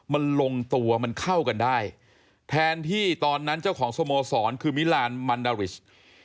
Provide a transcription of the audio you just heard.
มันลงตัวมันเข้ากันได้แทนที่ตอนนั้นเจ้าของสโมสรคือมิลานมันดาริช